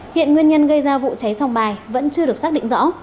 hiện nguyên nhân gây ra vụ cháy sòng bạc vẫn chưa được xác định rõ